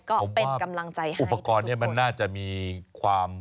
ก็เป็นกำลังใจให้อุปกรณ์นี้มันน่าจะมีความ